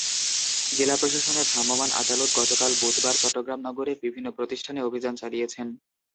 জেলা প্রশাসনের ভ্রাম্যমাণ আদালত গতকাল বুধবার চট্টগ্রাম নগরের বিভিন্ন প্রতিষ্ঠানে অভিযান চালিয়েছেন।